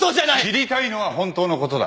知りたいのは本当のことだ。